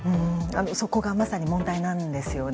そこがまさに問題なんです。